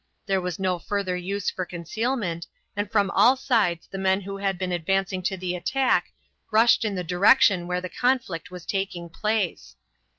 There was no further use for concealment, and from all sides the men who had been advancing to the attack rushed in the direction where the conflict was taking place.